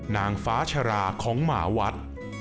นางฟ้าชราของหมาวัด